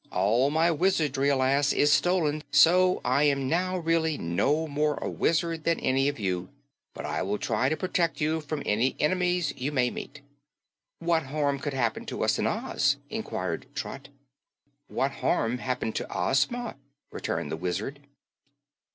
All my wizardry, alas, is stolen, so I am now really no more a wizard than any of you, but I will try to protect you from any enemies you may meet." "What harm could happen to us in Oz?" inquired Trot. "What harm happened to Ozma?" returned the Wizard.